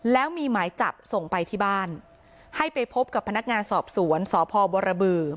แล้วมีหมายจับส่งไปที่บ้านให้ไปพบกับพนักงานสอบสวนสพบรบือ